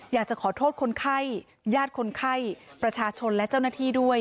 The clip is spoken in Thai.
อยากจะขอโทษคนไข้ญาติคนไข้ประชาชนและเจ้าหน้าที่ด้วย